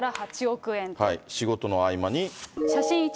仕事の合間に。